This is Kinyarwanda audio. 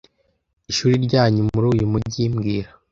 Ishuri ryanyu muri uyu mujyi mbwira